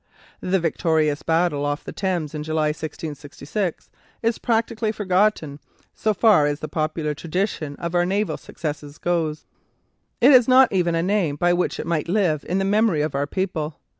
The victorious battle off the Thames in July, 1666, is practically forgotten, so far as the popular tradition of our naval successes goes. It has not even a name by which it might live in the memory of our people.